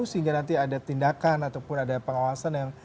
sehingga nanti ada tindakan ataupun ada pengawasan yang